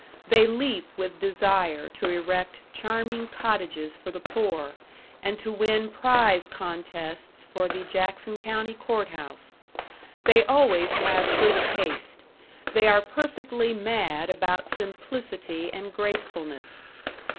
They leap with desire to erect charming cottages for the poor, and to win prize contests for the Jackson County Courthouse. They always have good taste; they are perfectly mad about simplicity and gracefulness.